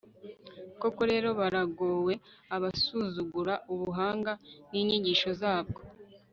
koko rero, baragowe abasuzugura ubuhanga n'inyigisho zabwo